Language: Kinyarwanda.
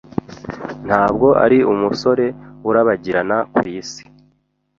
Ntabwo ari umusore urabagirana kwisi.